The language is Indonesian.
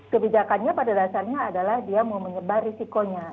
kebijakannya pada dasarnya adalah dia mau menyebar risikonya